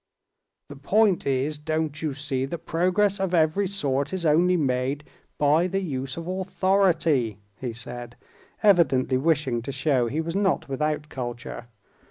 "The point is, don't you see, that progress of every sort is only made by the use of authority," he said, evidently wishing to show he was not without culture.